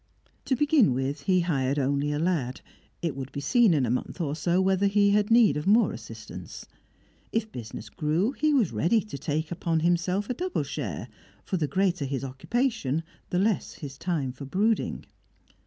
To begin with, he hired only a lad; it would be seen in a month or so whether he had need of more assistance. If business grew, he was ready to take upon himself a double share, for the greater his occupation the less his time for brooding.